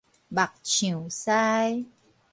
木匠師